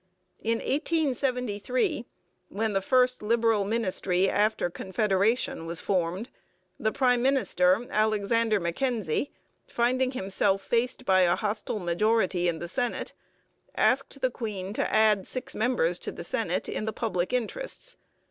In 1873, when the first Liberal ministry after Confederation was formed, the prime minister, Alexander Mackenzie, finding himself faced by a hostile majority in the Senate, asked the Queen to add six members to the Senate 'in the public interests.'